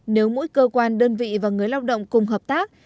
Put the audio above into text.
nếu mỗi cơ quan đơn vị và người lao động cùng hợp tác